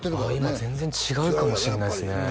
今全然違うかもしれないですね